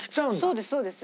そうですそうです。